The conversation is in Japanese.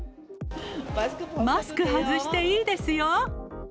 マスク外していいですよ。